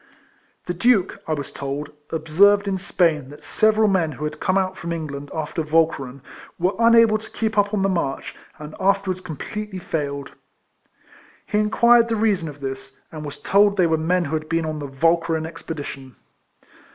The Duke, I was told, observed in Spain that several men who had come out from England after Walcheren were unable to keep up on the march, and afterwards com pletely failed. He inquired the reason of this, and was told they were men who had been on the Walcheren expedition.